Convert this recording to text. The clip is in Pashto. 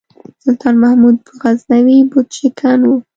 سلطان محمود غزنوي بُت شکن و.